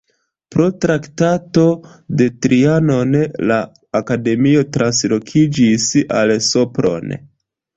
Pro Traktato de Trianon la akademio translokiĝis al Sopron.